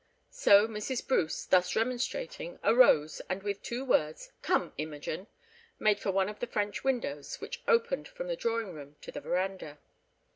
So Mrs. Bruce, thus remonstrating, arose, and with two words, "Come, Imogen!" made for one of the French windows which opened from the drawing room to the verandah.